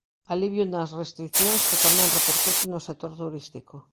Alivio nas restricións que tamén repercute no sector turístico.